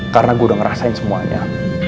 karena gue udah ngerasain semuanya